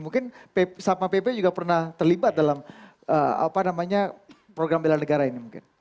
mungkin sapmapb juga pernah terlibat dalam program bela negara ini